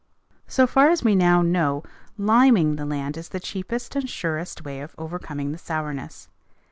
So far as we now know, liming the land is the cheapest and surest way of overcoming the sourness.